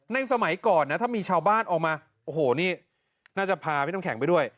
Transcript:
สมัยก่อนนะถ้ามีชาวบ้านออกมาโอ้โหนี่น่าจะพาพี่น้ำแข็งไปด้วย